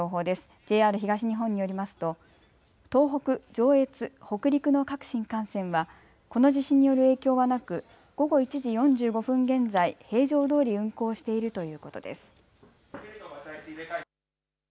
ＪＲ東日本によりますと東北、上越、北陸の各新幹線はこの地震による影響はなく午後１時４５分現在、平常どおり運行しているということです。